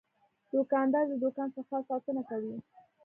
دوکاندار د دوکان صفا ساتنه کوي.